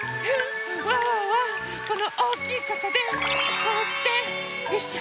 ワンワンはこのおおきいかさでこうしてよいしょ。